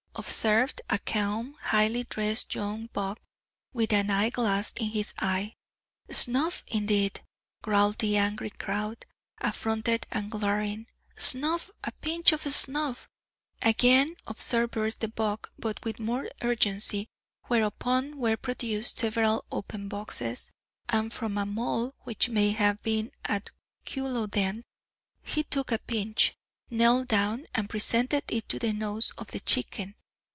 observed a calm, highly dressed young buck, with an eye glass in his eye. "Snuff, indeed!" growled the angry crowd, affronted and glaring. "Snuff! a pinch of snuff!" again observes the buck, but with more urgency; whereupon were produced several open boxes, and from a mull which may have been at Culloden, he took a pinch, knelt down, and presented it to the nose of the Chicken.